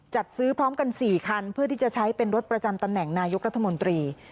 จัดซื้อพร้อมกัน๔คันเพื่อที่จะใช้เป็นรถประจำตำแหน่งนายกรัฐมนตรี